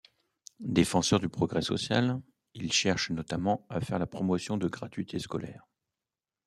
Défenseurs du progrès social, ils cherchent notamment à faire la promotion de gratuité scolaire.